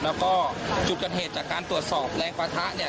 แล้วก็จุดเกิดเหตุจากการตรวจสอบแรงปะทะเนี่ย